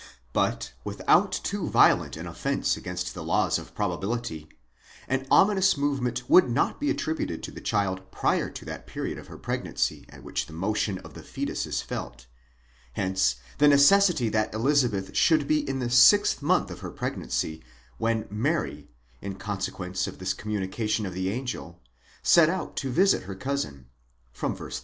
But, without too violent an offence against the laws of probability, an ominous movement would not be attributed to the child prior to that period of her pregnancy at which the motion of the foetus is felt ; hence the necessity that Elizabeth should be in the sixth month of her pregnancy when Mary, in consequence of the communication of the angel, set out to visit her cousin (v. 36).